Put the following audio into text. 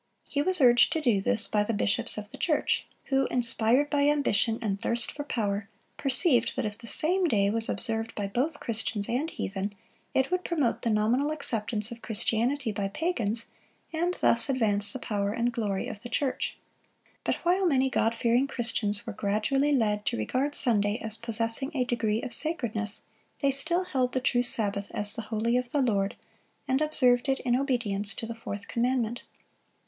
He was urged to do this by the bishops of the church, who, inspired by ambition and thirst for power, perceived that if the same day was observed by both Christians and heathen, it would promote the nominal acceptance of Christianity by pagans, and thus advance the power and glory of the church. But while many God fearing Christians were gradually led to regard Sunday as possessing a degree of sacredness, they still held the true Sabbath as the holy of the Lord, and observed it in obedience to the fourth commandment.